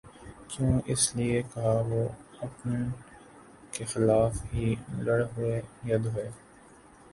کیوں اس لیے کہہ وہ اپن کیخلاف ہی لڑ ہوئے ید ہوئے